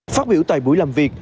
phát biểu tại buổi làm việc